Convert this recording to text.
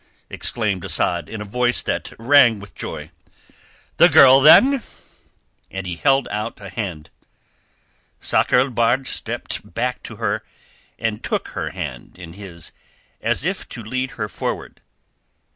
exclaimed Asad in a voice that rang with joy. "The girl, then!" And he held out a hand. Sakr el Bahr stepped back to her and took her hand in his as if to lead her forward.